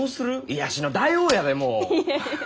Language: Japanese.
癒やしの大王やでもう。